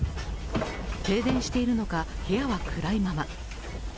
停電しているのか、部屋は暗いまま。